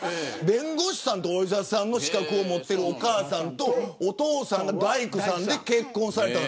弁護士さんとお医者さんの資格を持っているお母さんと大工さんのお父さんが結婚された。